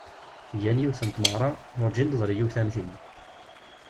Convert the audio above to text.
Gan yiwet n tmeɣra, urǧin d-teḍri yiwet am tin.